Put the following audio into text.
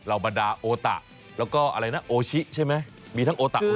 เรามาด่าโอตะแล้วก็โอชิใช่มั้ย